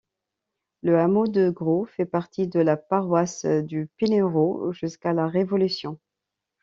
Le hameau de Graux fait partie de la paroisse de Punerot jusqu’à la Révolution.